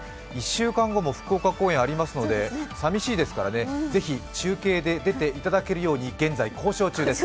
１週間後も福岡公演ありますのでさみしいですからね、ぜひ中継で出ていただけるように現在、交渉中です。